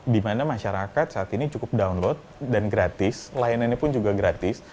di mana masyarakat saat ini cukup download dan gratis layanannya pun juga gratis